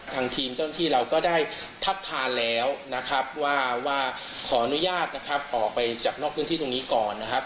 ทางทีมเจ้าหน้าที่เราก็ได้ทัดทานแล้วนะครับว่าขออนุญาตนะครับออกไปจากนอกพื้นที่ตรงนี้ก่อนนะครับ